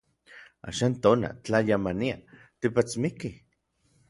Axan tona, tlayamania, tipatsmikij.